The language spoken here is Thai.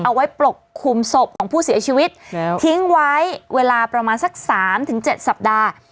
เอาไว้ปลกคุมศพของผู้เสียชีวิตทิ้งไว้เวลาประมาณสักสามถึงเจ็ดสัปดาห์